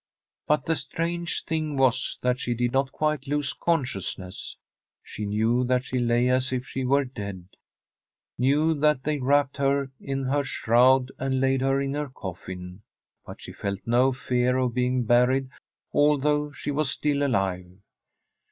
But the strange thing was that she did not quite lose consciousness. She knew that she lay as if she were dead, knew that they wrapped [27J From a SfFEDISH HOMESTEAD her in her shroud and laid her in her coffin, but she felt no fear of being buried, although she was still alive.